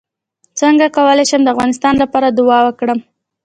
څنګه کولی شم د افغانستان لپاره دعا وکړم